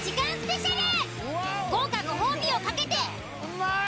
［豪華ご褒美を懸けて］